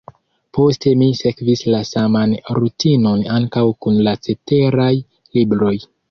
Poste mi sekvis la saman rutinon ankaŭ kun la ceteraj libroj.